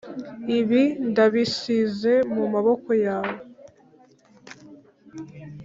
ibi ndabisize mumaboko yawe.